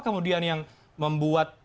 kemudian yang membuat